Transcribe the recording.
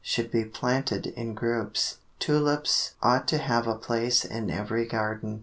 Should be planted in groups. Tulips ought to have a place in every garden.